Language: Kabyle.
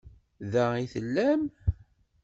Da i tellam?